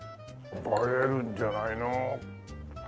映えるんじゃないの？